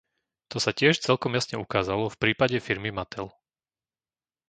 To sa tiež celkom jasne ukázalo v prípade firmy Mattel.